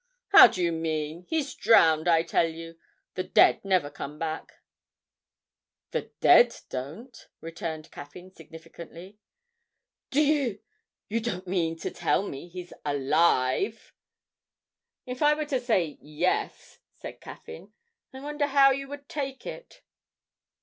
'How do you mean? He's drowned, I tell you ... the dead never come back!' 'The dead don't,' returned Caffyn significantly. 'Do you you don't mean to tell me he's alive!' 'If I were to say yes?' said Caffyn, 'I wonder how you would take it.'